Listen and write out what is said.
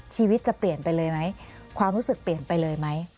ชีวิตจะเปลี่ยนไปเลยไหมความรู้สึกเปลี่ยนไปเลยไหม